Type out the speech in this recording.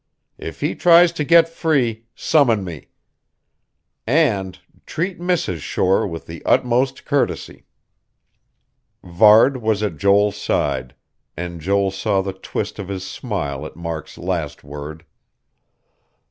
If he tries to get free, summon me. And treat Mrs. Shore with the utmost courtesy." Varde was at Joel's side; and Joel saw the twist of his smile at Mark's last word.